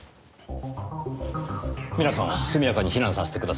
皆さんを速やかに避難させてください。